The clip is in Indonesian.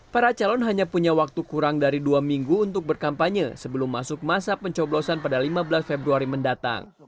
para calon hanya punya waktu kurang dari dua minggu untuk berkampanye sebelum masuk masa pencoblosan pada lima belas februari mendatang